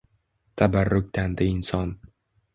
Tabarruktanti Inson